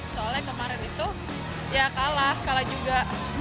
soalnya kemarin itu ya kalah kalah juga